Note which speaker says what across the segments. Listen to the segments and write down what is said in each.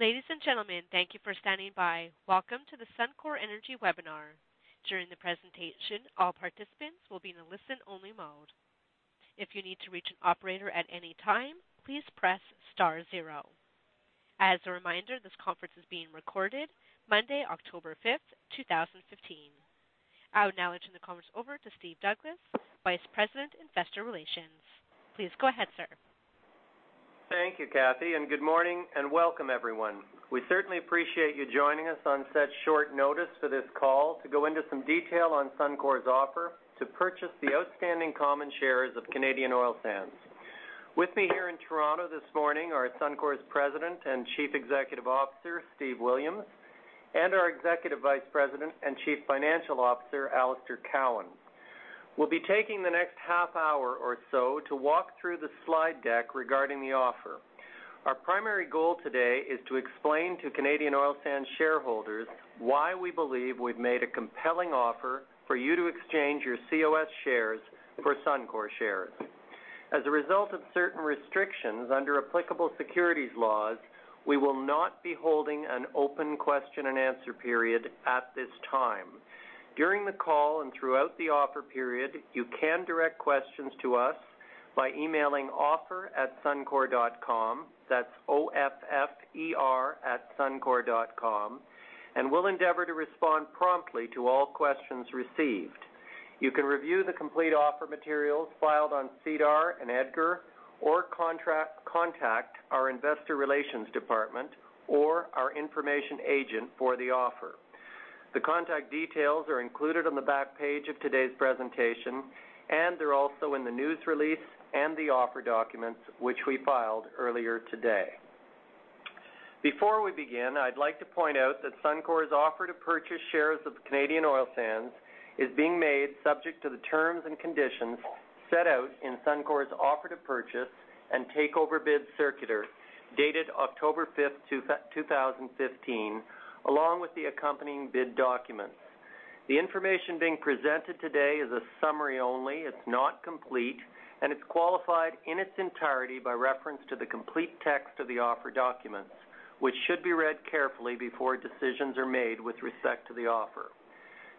Speaker 1: Ladies and gentlemen, thank you for standing by. Welcome to the Suncor Energy webinar. During the presentation, all participants will be in a listen-only mode. If you need to reach an operator at any time, please press star zero. As a reminder, this conference is being recorded Monday, October 5th, 2015. I would now turn the conference over to Steve Douglas, Vice President, Investor Relations. Please go ahead, sir.
Speaker 2: Thank you, Kathy. Good morning and welcome everyone. We certainly appreciate you joining us on such short notice for this call to go into some detail on Suncor's offer to purchase the outstanding common shares of Canadian Oil Sands. With me here in Toronto this morning are Suncor's President and Chief Executive Officer, Steve Williams, and our Executive Vice President and Chief Financial Officer, Alistair Cowan. We'll be taking the next half hour or so to walk through the slide deck regarding the offer. Our primary goal today is to explain to Canadian Oil Sands shareholders why we believe we've made a compelling offer for you to exchange your COS shares for Suncor shares. As a result of certain restrictions under applicable securities laws, we will not be holding an open question and answer period at this time. During the call throughout the offer period, you can direct questions to us by emailing offer@suncor.com. That's O-F-F-E-R @suncor.com. We'll endeavor to respond promptly to all questions received. You can review the complete offer materials filed on SEDAR and EDGAR or contact our investor relations department or our information agent for the offer. The contact details are included on the back page of today's presentation. They're also in the news release and the offer documents, which we filed earlier today. Before we begin, I'd like to point out that Suncor's offer to purchase shares of Canadian Oil Sands is being made subject to the terms and conditions set out in Suncor's offer to purchase and takeover bid circular, dated October 5, 2015, along with the accompanying bid documents. The information being presented today is a summary only. It's not complete. It's qualified in its entirety by reference to the complete text of the offer documents, which should be read carefully before decisions are made with respect to the offer.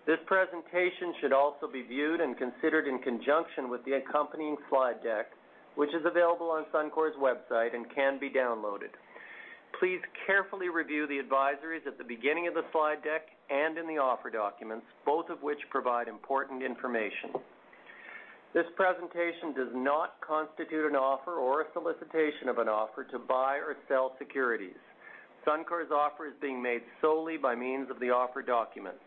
Speaker 2: This presentation should also be viewed and considered in conjunction with the accompanying slide deck, which is available on Suncor's website and can be downloaded. Please carefully review the advisories at the beginning of the slide deck in the offer documents, both of which provide important information. This presentation does not constitute an offer or a solicitation of an offer to buy or sell securities. Suncor's offer is being made solely by means of the offer documents.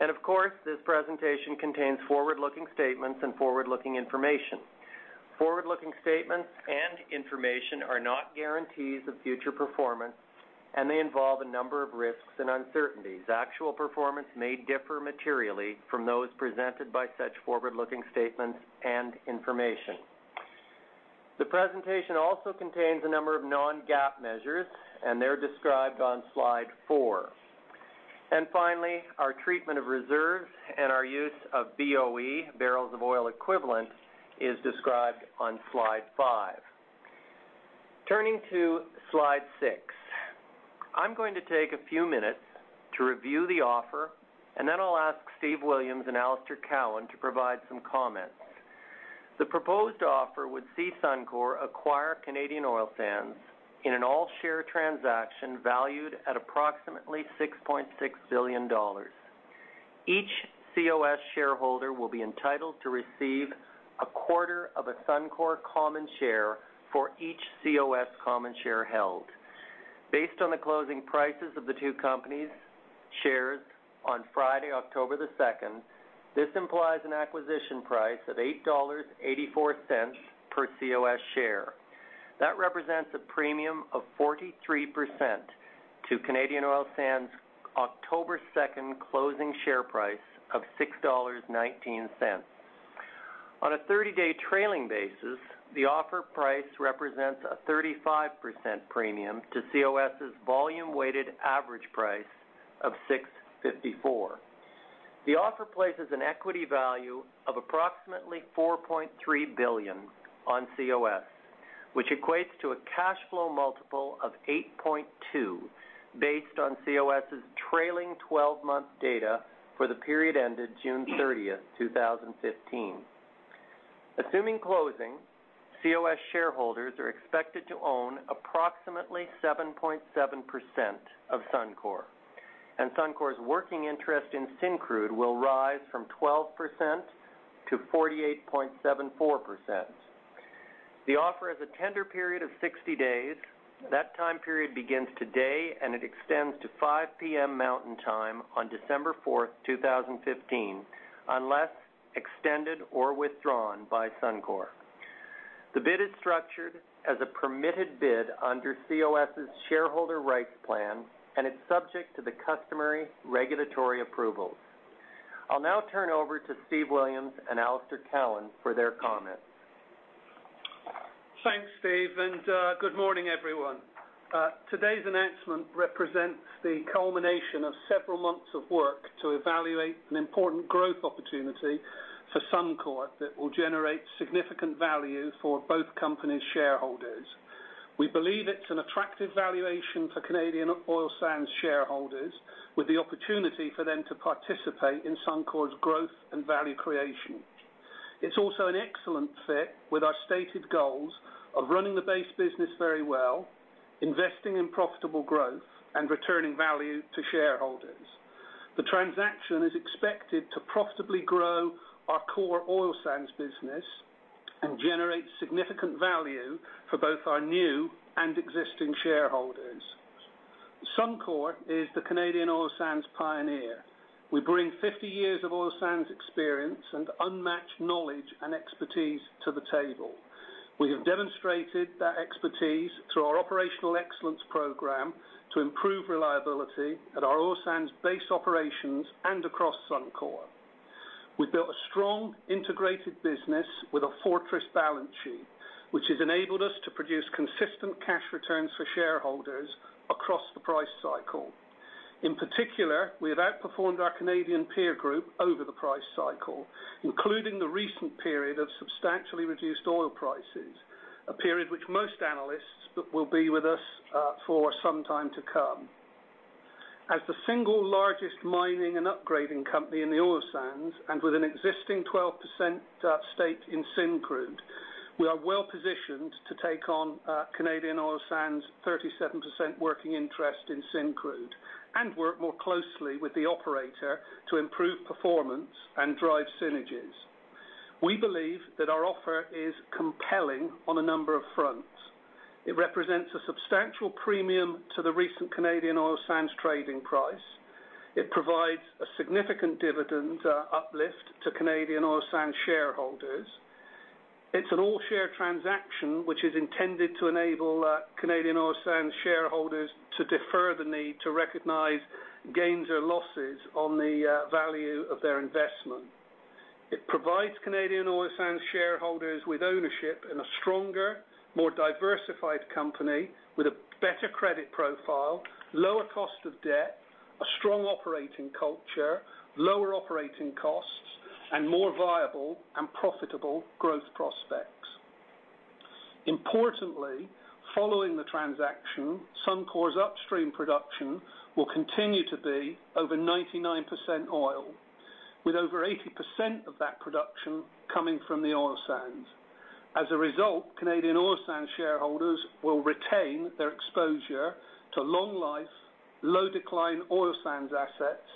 Speaker 2: Of course, this presentation contains forward-looking statements and forward-looking information. Forward-looking statements and information are not guarantees of future performance. They involve a number of risks and uncertainties. Actual performance may differ materially from those presented by such forward-looking statements and information. The presentation also contains a number of non-GAAP measures, they're described on slide four. Finally, our treatment of reserves and our use of Boe, barrels of oil equivalent, is described on slide five. Turning to slide six. I'm going to take a few minutes to review the offer, then I'll ask Steve Williams and Alistair Cowan to provide some comments. The proposed offer would see Suncor acquire Canadian Oil Sands in an all-share transaction valued at approximately 6.6 billion dollars. Each COS shareholder will be entitled to receive a quarter of a Suncor common share for each COS common share held. Based on the closing prices of the two companies' shares on Friday, October 2nd, this implies an acquisition price of 8.84 dollars per COS share. That represents a premium of 43% to Canadian Oil Sands' October 2nd closing share price of 6.19 dollars. On a 30-day trailing basis, the offer price represents a 35% premium to COS's volume-weighted average price of 6.54. The offer places an equity value of approximately 4.3 billion on COS, which equates to a cash flow multiple of 8.2 based on COS's trailing 12-month data for the period ended June 30, 2015. Assuming closing, COS shareholders are expected to own approximately 7.7% of Suncor, and Suncor's working interest in Syncrude will rise from 12% to 48.74%. The offer has a tender period of 60 days. That time period begins today, it extends to 5:00 P.M. Mountain Time on December 4, 2015, unless extended or withdrawn by Suncor. The bid is structured as a permitted bid under COS's shareholder rights plan, it's subject to the customary regulatory approvals. I'll now turn over to Steve Williams and Alistair Cowan for their comments.
Speaker 3: Thanks, Steve, good morning, everyone. Today's announcement represents the culmination of several months of work to evaluate an important growth opportunity for Suncor that will generate significant value for both companies' shareholders. We believe it's an attractive valuation for Canadian Oil Sands shareholders, with the opportunity for them to participate in Suncor's growth and value creation. It's also an excellent fit with our stated goals of running the base business very well, investing in profitable growth, and returning value to shareholders. The transaction is expected to profitably grow our core oil sands business and generate significant value for both our new and existing shareholders. Suncor is the Canadian oil sands pioneer. We bring 50 years of oil sands experience and unmatched knowledge and expertise to the table. We have demonstrated that expertise through our operational excellence program to improve reliability at our oil sands base operations and across Suncor. We've built a strong, integrated business with a fortress balance sheet, which has enabled us to produce consistent cash returns for shareholders across the price cycle. In particular, we have outperformed our Canadian peer group over the price cycle, including the recent period of substantially reduced oil prices, a period which most analysts will be with us for some time to come. As the single largest mining and upgrading company in the oil sands, and with an existing 12% stake in Syncrude, we are well-positioned to take on Canadian Oil Sands' 37% working interest in Syncrude and work more closely with the operator to improve performance and drive synergies. We believe that our offer is compelling on a number of fronts. It represents a substantial premium to the recent Canadian Oil Sands trading price. It provides a significant dividend uplift to Canadian Oil Sands shareholders. It's an all-share transaction, which is intended to enable Canadian Oil Sands shareholders to defer the need to recognize gains or losses on the value of their investment. It provides Canadian Oil Sands shareholders with ownership in a stronger, more diversified company with a better credit profile, lower cost of debt, a strong operating culture, lower operating costs, and more viable and profitable growth prospects. Importantly, following the transaction, Suncor's upstream production will continue to be over 99% oil, with over 80% of that production coming from the oil sands. As a result, Canadian Oil Sands shareholders will retain their exposure to long-life, low-decline oil sands assets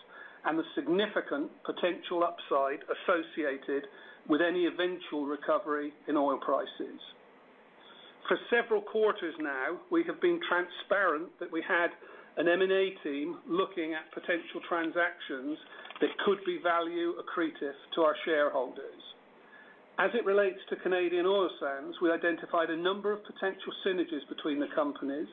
Speaker 3: and the significant potential upside associated with any eventual recovery in oil prices. For several quarters now, we have been transparent that we had an M&A team looking at potential transactions that could be value accretive to our shareholders. As it relates to Canadian Oil Sands, we identified a number of potential synergies between the companies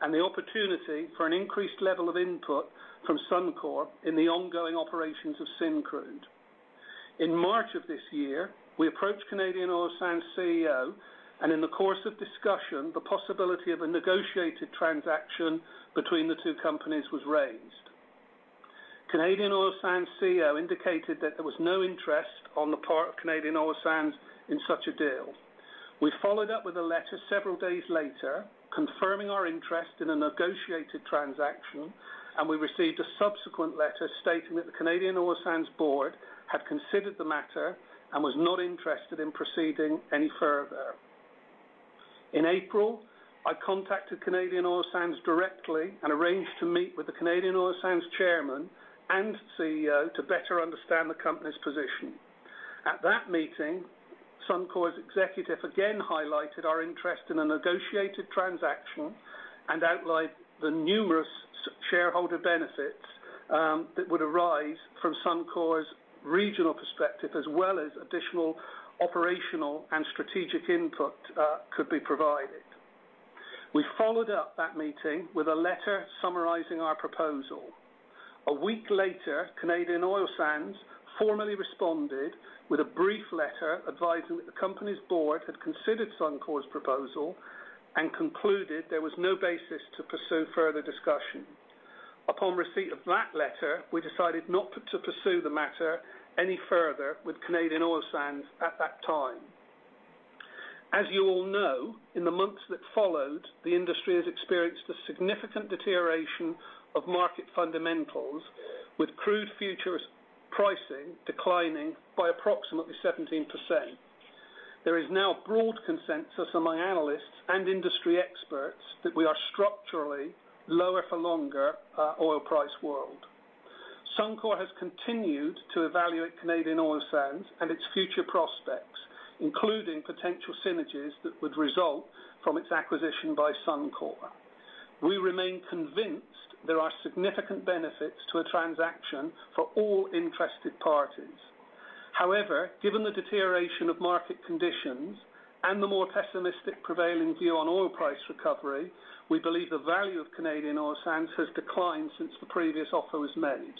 Speaker 3: and the opportunity for an increased level of input from Suncor in the ongoing operations of Syncrude. In March of this year, we approached Canadian Oil Sands' CEO, and in the course of discussion, the possibility of a negotiated transaction between the two companies was raised. Canadian Oil Sands' CEO indicated that there was no interest on the part of Canadian Oil Sands in such a deal. We followed up with a letter several days later, confirming our interest in a negotiated transaction, and we received a subsequent letter stating that the Canadian Oil Sands board had considered the matter and was not interested in proceeding any further. In April, I contacted Canadian Oil Sands directly and arranged to meet with the Canadian Oil Sands chairman and CEO to better understand the company's position. At that meeting, Suncor's executive again highlighted our interest in a negotiated transaction and outlined the numerous shareholder benefits that would arise from Suncor's regional perspective, as well as additional operational and strategic input could be provided. We followed up that meeting with a letter summarizing our proposal. A week later, Canadian Oil Sands formally responded with a brief letter advising that the company's board had considered Suncor's proposal and concluded there was no basis to pursue further discussion. Upon receipt of that letter, we decided not to pursue the matter any further with Canadian Oil Sands at that time. As you all know, in the months that followed, the industry has experienced a significant deterioration of market fundamentals, with crude futures pricing declining by approximately 17%. There is now broad consensus among analysts and industry experts that we are structurally lower for longer oil price world. Suncor has continued to evaluate Canadian Oil Sands and its future prospects, including potential synergies that would result from its acquisition by Suncor. We remain convinced there are significant benefits to a transaction for all interested parties. Given the deterioration of market conditions and the more pessimistic prevailing view on oil price recovery, we believe the value of Canadian Oil Sands has declined since the previous offer was made.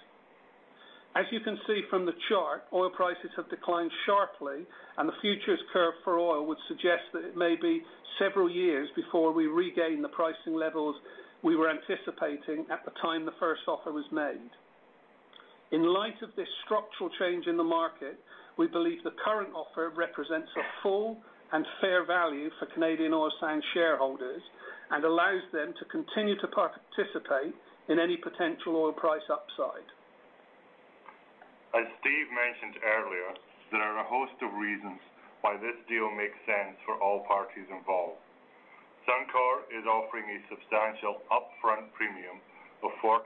Speaker 3: As you can see from the chart, oil prices have declined sharply, the futures curve for oil would suggest that it may be several years before we regain the pricing levels we were anticipating at the time the first offer was made. In light of this structural change in the market, we believe the current offer represents a full and fair value for Canadian Oil Sands shareholders and allows them to continue to participate in any potential oil price upside.
Speaker 4: As Steve mentioned earlier, there are a host of reasons why this deal makes sense for all parties involved. Suncor is offering a substantial upfront premium of 43%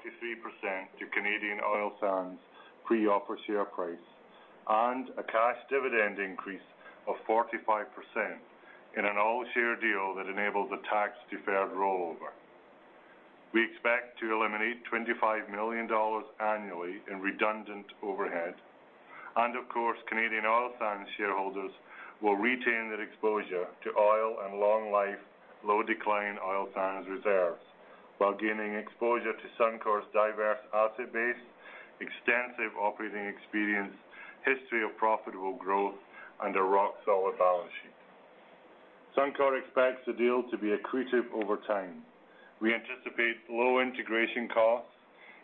Speaker 4: to Canadian Oil Sands' pre-offer share price and a cash dividend increase of 45% in an all-share deal that enables a tax-deferred rollover. We expect to eliminate 25 million dollars annually in redundant overhead. Of course, Canadian Oil Sands shareholders will retain their exposure to oil and long-life, low-decline oil sands reserves while gaining exposure to Suncor's diverse asset base, extensive operating experience, history of profitable growth, and a rock-solid balance sheet. Suncor expects the deal to be accretive over time. We anticipate low integration costs,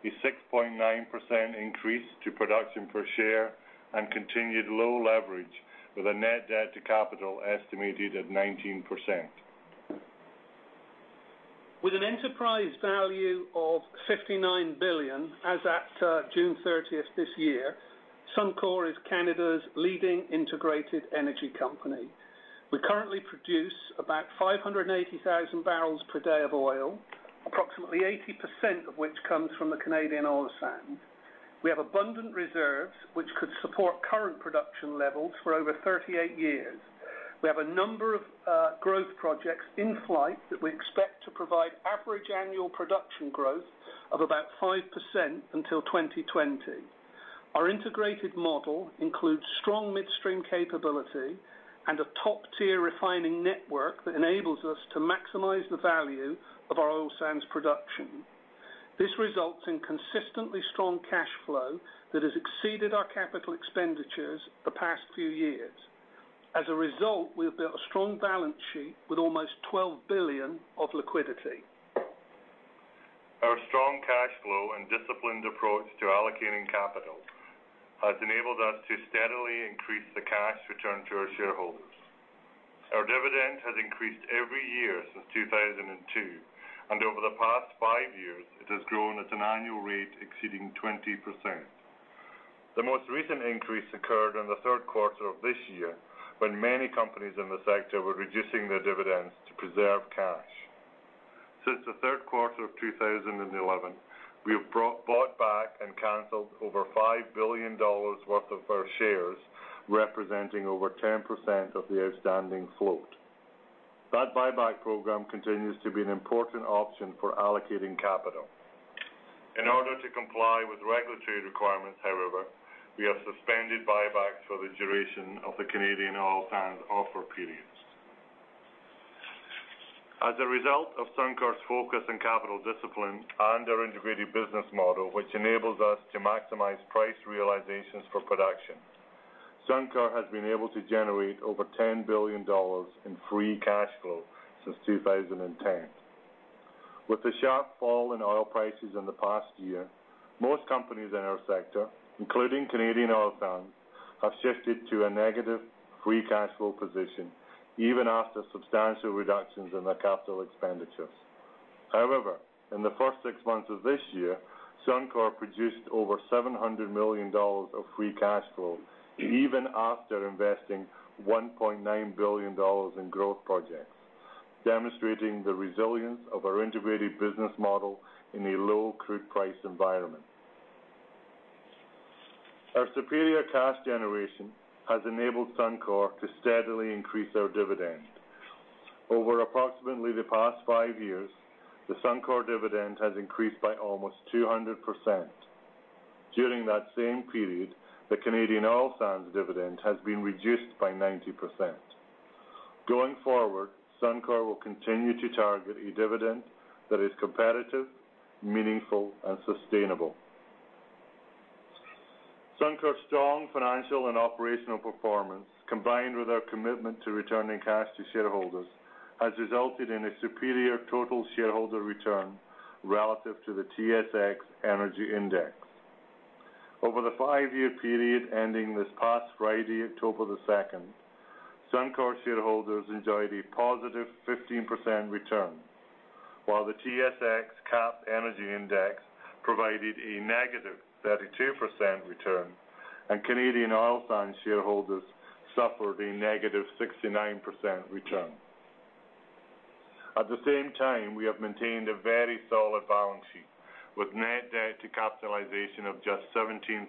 Speaker 4: a 6.9% increase to production per share, and continued low leverage with a net debt to capital estimated at 19%.
Speaker 3: With an enterprise value of 59 billion as at June 30th this year, Suncor is Canada's leading integrated energy company. We currently produce about 580,000 barrels per day of oil, approximately 80% of which comes from the Canadian oil sands. We have abundant reserves, which could support current production levels for over 38 years. We have a number of growth projects in flight that we expect to provide average annual production growth of about 5% until 2020. Our integrated model includes strong midstream capability and a top-tier refining network that enables us to maximize the value of our oil sands production. This results in consistently strong cash flow that has exceeded our capital expenditures the past few years. As a result, we have built a strong balance sheet with almost 12 billion of liquidity.
Speaker 4: Our strong cash flow and disciplined approach to allocating capital has enabled us to steadily increase the cash return to our shareholders. Our dividend has increased every year since 2002, and over the past five years, it has grown at an annual rate exceeding 20%. The most recent increase occurred in the third quarter of this year, when many companies in the sector were reducing their dividends to preserve cash. Since the third quarter of 2011, we have bought back and canceled over 5 billion dollars worth of our shares, representing over 10% of the outstanding float. That buyback program continues to be an important option for allocating capital. In order to comply with regulatory requirements, however, we have suspended buybacks for the duration of the Canadian Oil Sands offer period. As a result of Suncor's focus on capital discipline and our integrated business model, which enables us to maximize price realizations for production, Suncor has been able to generate over 10 billion dollars in free cash flow since 2010. With the sharp fall in oil prices in the past year, most companies in our sector, including Canadian Oil Sands, have shifted to a negative free cash flow position, even after substantial reductions in their capital expenditures. In the first six months of this year, Suncor produced over 700 million dollars of free cash flow, even after investing 1.9 billion dollars in growth projects, demonstrating the resilience of our integrated business model in a low crude price environment. Our superior cash generation has enabled Suncor to steadily increase our dividend. Over approximately the past five years, the Suncor dividend has increased by almost 200%. During that same period, the Canadian Oil Sands dividend has been reduced by 90%. Going forward, Suncor will continue to target a dividend that is competitive, meaningful, and sustainable. Suncor's strong financial and operational performance, combined with our commitment to returning cash to shareholders, has resulted in a superior total shareholder return relative to the TSX Energy Index. Over the five-year period ending this past Friday, October 2nd, Suncor shareholders enjoyed a positive 15% return. The TSX Cap Energy Index provided a negative 32% return, and Canadian Oil Sands shareholders suffered a negative 69% return. At the same time, we have maintained a very solid balance sheet, with net debt to capitalization of just 17%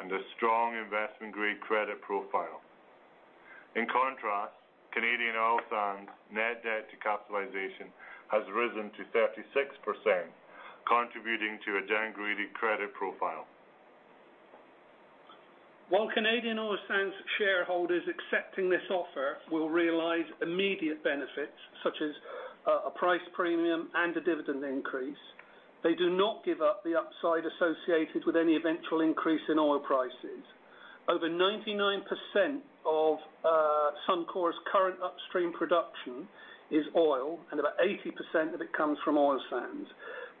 Speaker 4: and a strong investment-grade credit profile. In contrast, Canadian Oil Sands' net debt to capitalization has risen to 36%, contributing to a junk credit profile.
Speaker 3: Canadian Oil Sands shareholders accepting this offer will realize immediate benefits, such as a price premium and a dividend increase, they do not give up the upside associated with any eventual increase in oil prices. Over 99% of Suncor's current upstream production is oil, and about 80% of it comes from oil sands.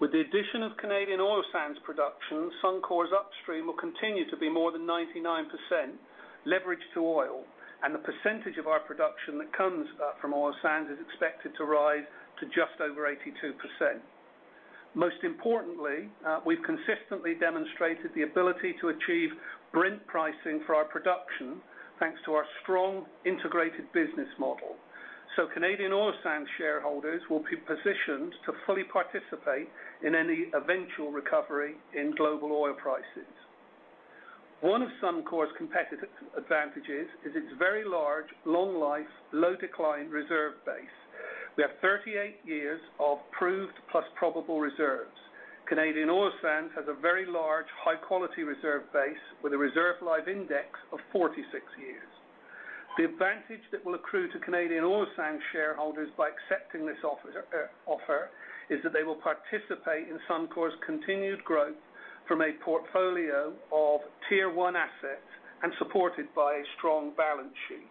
Speaker 3: With the addition of Canadian Oil Sands production, Suncor's upstream will continue to be more than 99% leveraged to oil, and the percentage of our production that comes from oil sands is expected to rise to just over 82%. Most importantly, we've consistently demonstrated the ability to achieve Brent pricing for our production thanks to our strong integrated business model. Canadian Oil Sands shareholders will be positioned to fully participate in any eventual recovery in global oil prices. One of Suncor's competitive advantages is its very large, long life, low decline reserve base. We have 38 years of proved plus probable reserves. Canadian Oil Sands has a very large, high-quality reserve base with a reserve life index of 46 years. The advantage that will accrue to Canadian Oil Sands shareholders by accepting this offer is that they will participate in Suncor's continued growth from a portfolio of Tier 1 assets and supported by a strong balance sheet.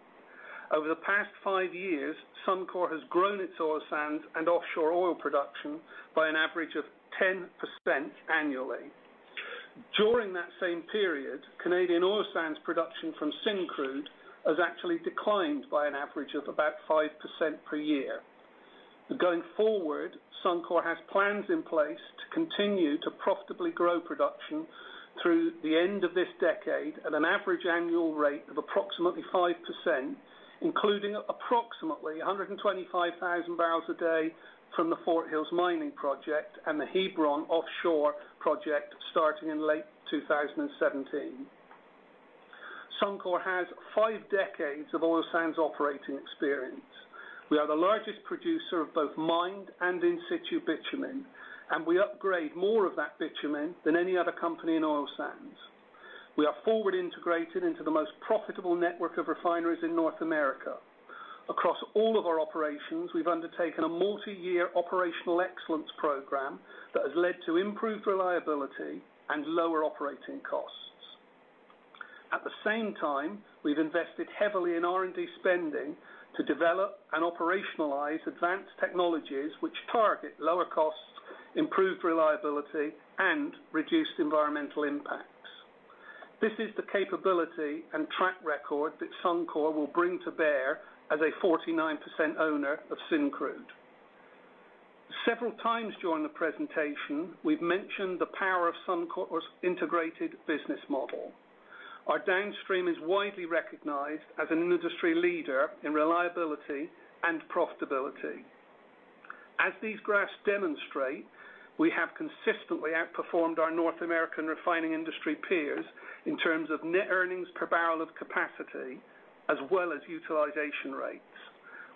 Speaker 3: Over the past five years, Suncor has grown its oil sands and offshore oil production by an average of 10% annually. During that same period, Canadian Oil Sands production from Syncrude has actually declined by an average of about 5% per year. Going forward, Suncor has plans in place to continue to profitably grow production through the end of this decade at an average annual rate of approximately 5%, including approximately 125,000 barrels a day from the Fort Hills mining project and the Hebron offshore project starting in late 2017. Suncor has five decades of oil sands operating experience. We are the largest producer of both mined and in situ bitumen, and we upgrade more of that bitumen than any other company in oil sands. We are forward integrated into the most profitable network of refineries in North America. Across all of our operations, we've undertaken a multi-year operational excellence program that has led to improved reliability and lower operating costs. At the same time, we've invested heavily in R&D spending to develop and operationalize advanced technologies which target lower costs, improved reliability, and reduced environmental impacts. This is the capability and track record that Suncor will bring to bear as a 49% owner of Syncrude. Several times during the presentation, we've mentioned the power of Suncor's integrated business model. Our downstream is widely recognized as an industry leader in reliability and profitability. As these graphs demonstrate, we have consistently outperformed our North American refining industry peers in terms of net earnings per barrel of capacity as well as utilization rates.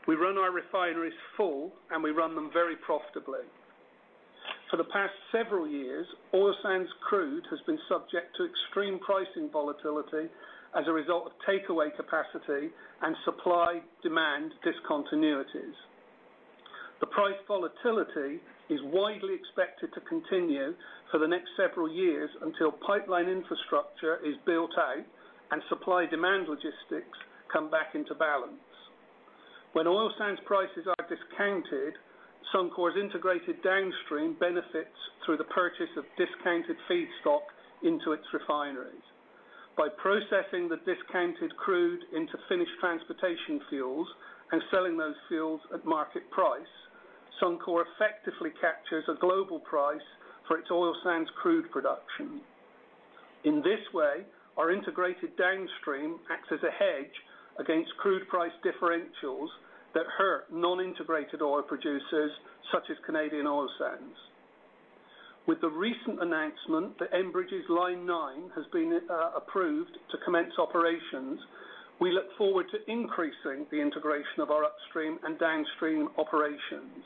Speaker 3: We run our refineries full, and we run them very profitably. For the past several years, oil sands crude has been subject to extreme pricing volatility as a result of takeaway capacity and supply-demand discontinuities. The price volatility is widely expected to continue for the next several years until pipeline infrastructure is built out and supply-demand logistics come back into balance. When oil sands prices are discounted, Suncor's integrated downstream benefits through the purchase of discounted feedstock into its refineries. By processing the discounted crude into finished transportation fuels and selling those fuels at market price, Suncor effectively captures a global price for its oil sands crude production. In this way, our integrated downstream acts as a hedge against crude price differentials that hurt non-integrated oil producers such as Canadian Oil Sands. With the recent announcement that Enbridge's Line 9 has been approved to commence operations, we look forward to increasing the integration of our upstream and downstream operations.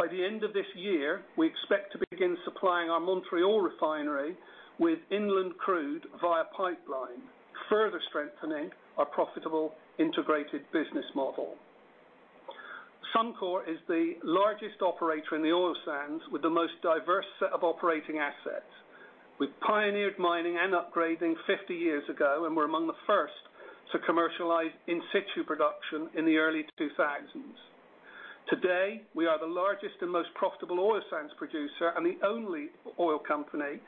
Speaker 3: By the end of this year, we expect to begin supplying our Montreal refinery with inland crude via pipeline, further strengthening our profitable integrated business model. Suncor is the largest operator in the oil sands with the most diverse set of operating assets. We pioneered mining and upgrading 50 years ago and were among the first to commercialize in situ production in the early 2000s. Today, we are the largest and most profitable oil sands producer and the only oil company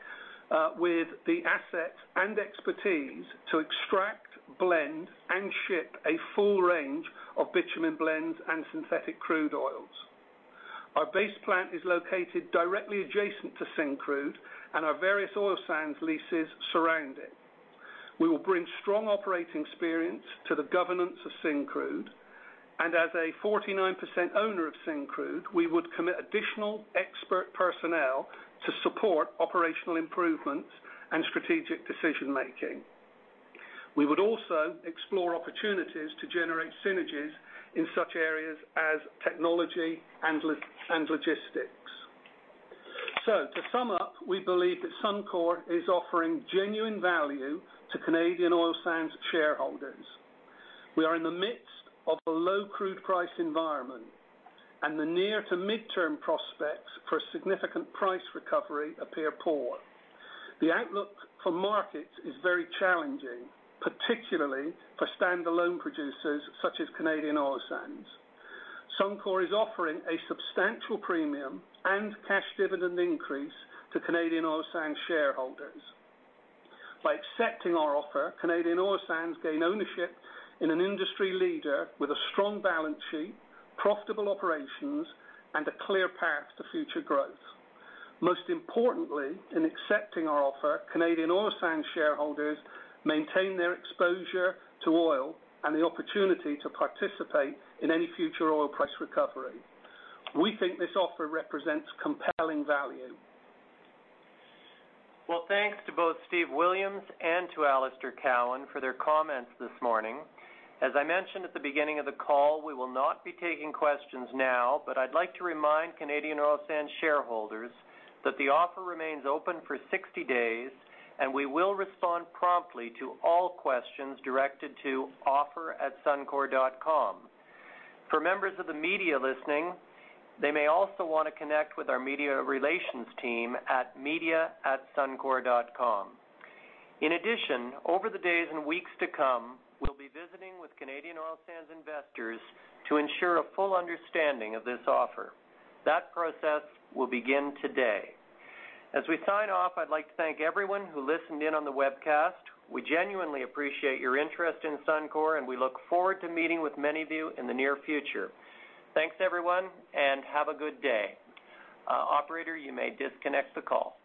Speaker 3: with the assets and expertise to extract, blend, and ship a full range of bitumen blends and synthetic crude oils. Our base plant is located directly adjacent to Syncrude and our various oil sands leases surround it. We will bring strong operating experience to the governance of Syncrude, and as a 49% owner of Syncrude, we would commit additional expert personnel to support operational improvements and strategic decision-making. We would also explore opportunities to generate synergies in such areas as technology and logistics. To sum up, we believe that Suncor is offering genuine value to Canadian Oil Sands shareholders. We are in the midst of a low crude price environment, the near to mid-term prospects for a significant price recovery appear poor. The outlook for markets is very challenging, particularly for standalone producers such as Canadian Oil Sands. Suncor is offering a substantial premium and cash dividend increase to Canadian Oil Sands shareholders. By accepting our offer, Canadian Oil Sands gain ownership in an industry leader with a strong balance sheet, profitable operations, and a clear path to future growth. Most importantly, in accepting our offer, Canadian Oil Sands shareholders maintain their exposure to oil and the opportunity to participate in any future oil price recovery. We think this offer represents compelling value.
Speaker 2: Well, thanks to both Steve Williams and to Alistair Cowan for their comments this morning. As I mentioned at the beginning of the call, we will not be taking questions now. I'd like to remind Canadian Oil Sands shareholders that the offer remains open for 60 days. We will respond promptly to all questions directed to offer@suncor.com. For members of the media listening, they may also want to connect with our media relations team at media@suncor.com. In addition, over the days and weeks to come, we'll be visiting with Canadian Oil Sands investors to ensure a full understanding of this offer. That process will begin today. As we sign off, I'd like to thank everyone who listened in on the webcast. We genuinely appreciate your interest in Suncor. We look forward to meeting with many of you in the near future. Thanks, everyone. Have a good day. Operator, you may disconnect the call.